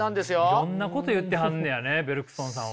いろんなこと言ってはんねやねベルクソンさんは。